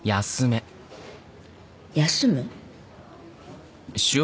「休む」？